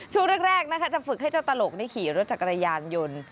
ช่วงแรกนะคะจะฝึกให้เจ้าตลกได้ขี่รถจักรยานยนต์